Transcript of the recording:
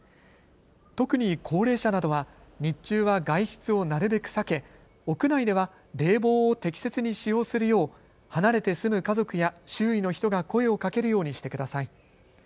特に高齢者などは日中は外出をなるべく避け、屋内では冷房を適切に使用するよう離れて住む家族や周囲の人が声をかけるようにしてください。